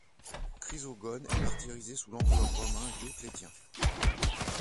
Chrysogone est martyrisé sous l'empereur romain Dioclétien.